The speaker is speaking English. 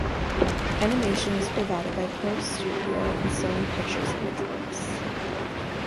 Animation was provided by Pearl Studio and Sony Pictures Imageworks.